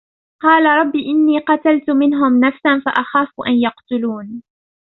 قالَ رَبِّ إِنّي قَتَلتُ مِنهُم نَفسًا فَأَخافُ أَن يَقتُلونِ